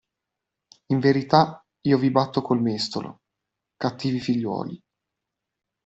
In verità, io vi batto col mestolo, cattivi figliuoli.